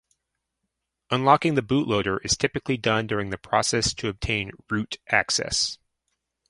Unlocking the bootloader is typically done during the process to obtain "root" access.